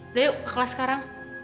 udah yuk kelas sekarang